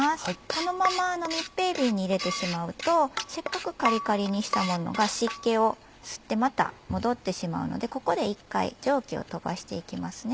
このまま密閉瓶に入れてしまうとせっかくカリカリにしたものが湿気を吸ってまた戻ってしまうのでここで一回蒸気を飛ばしていきますね。